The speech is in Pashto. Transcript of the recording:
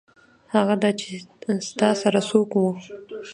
هغه دا چې ستا سره څوک وو.